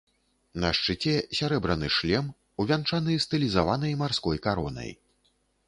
На шчыце сярэбраны шлем, увянчаны стылізаванай марской каронай.